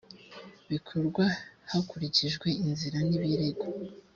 bikorwa hakurikijwe inzira z’ibirego